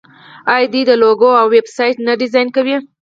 آیا دوی لوګو او ویب سایټ نه ډیزاین کوي؟